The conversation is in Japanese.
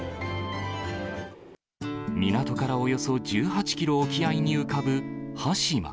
港からおよそ１８キロ沖合に浮かぶ端島。